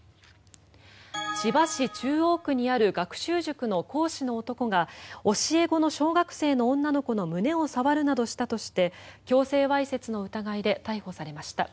千葉市中央区にある学習塾の講師の男が教え子の小学生の女の子の胸を触るなどしたとして強制わいせつの疑いで逮捕されました。